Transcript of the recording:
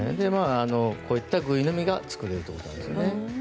こういった、ぐいのみがそれで作れるということですね。